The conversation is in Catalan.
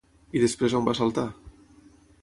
I després on va saltar?